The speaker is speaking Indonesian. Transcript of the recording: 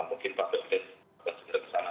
mungkin pak presiden akan segera ke sana